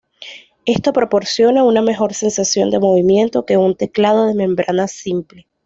Esto proporciona una mejor sensación de movimiento que un teclado de membrana simple.